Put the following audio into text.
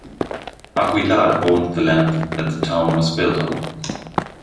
Aguilar owned the land that the town was built on.